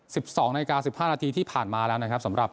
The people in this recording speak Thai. สิบสองนาฬิกาสิบห้านาทีที่ผ่านมาแล้วนะครับสำหรับ